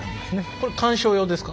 これ観賞用ですか？